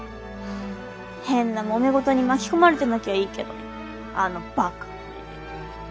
変なもめ事に巻き込まれてなきゃいいけどあのバカ。